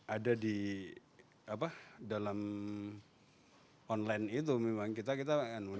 ada di dalam online itu memang kita